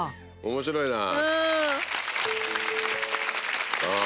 面白いな！